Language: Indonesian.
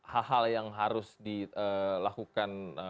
hal hal yang harus dilakukan